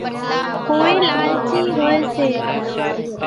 ڪونئين لالچي هوئيَ سي۔